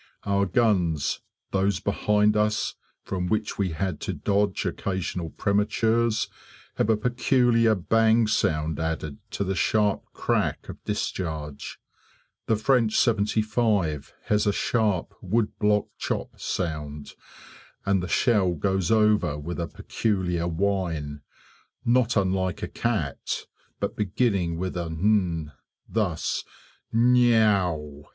Our guns those behind us, from which we had to dodge occasional prematures have a peculiar bang sound added to the sharp crack of discharge. The French 75 has a sharp wood block chop sound, and the shell goes over with a peculiar whine not unlike a cat, but beginning with n thus, n eouw.